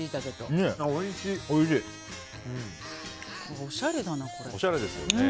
おしゃれだな、これ。